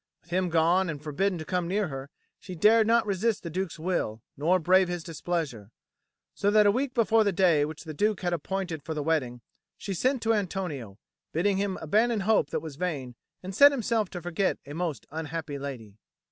With him gone and forbidden to come near her, she dared not resist the Duke's will nor brave his displeasure; so that a week before the day which the Duke had appointed for the wedding, she sent to Antonio, bidding him abandon a hope that was vain and set himself to forget a most unhappy lady.